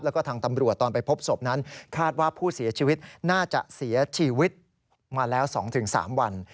แล้วก็ทางตำรวจตอนไปพบศพนั้นคาดว่าผู้เสียชีวิตน่าจะเสียชีวิตมาแล้ว๒๓วัน